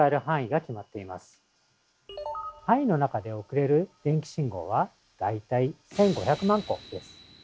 範囲の中で送れる電気信号は大体１，５００万個です。